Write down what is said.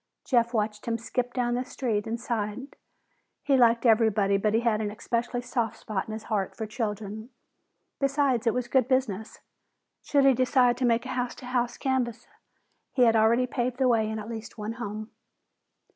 Jeff watched him skip down the street and sighed. He liked everybody, but he had an especially soft spot in his heart for children. Besides, it was good business. Should he decide to make a house to house canvass, he had already paved the way in at least one home.